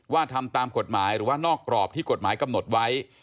ทำตามกฎหมายหรือว่านอกกรอบที่กฎหมายกำหนดไว้